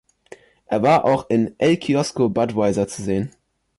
Er war auch in „El Kiosko Budweiser“ zu sehen.